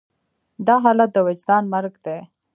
دا حالت د وجدان مرګ دی.